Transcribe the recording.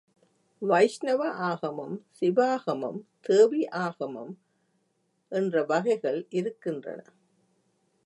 வைஷ்ணவ ஆகமம், சிவாகமம், தேவி ஆகமம் என்ற வகைகள் இருக்கின்றன.